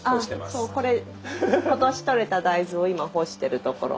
あそうこれ今年とれた大豆を今干してるところ。